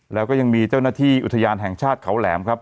แล้วก็ยังมีเจ้าหน้าที่อุทยานแห่งชาติเขาแหลมครับ